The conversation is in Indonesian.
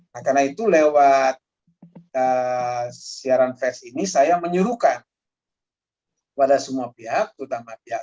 nah karena itu lewat siaran fest ini saya menyuruhkan kepada semua pihak terutama pihak